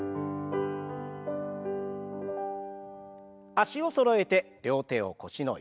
脚をそろえて両手を腰の横。